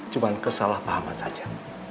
cuma kesalahpahaman saja